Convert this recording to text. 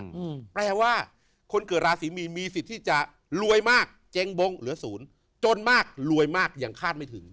อืมแปลว่าคนเกิดราศีมีนมีสิทธิ์ที่จะรวยมากเจ๊งบงเหลือศูนย์จนมากรวยมากยังคาดไม่ถึง